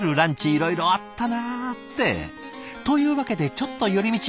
いろいろあったなって。というわけでちょっと寄り道。